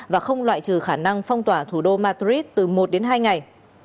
và không loại trừ khả năng phong tỏa thủ đô matris từ một đến hai ngày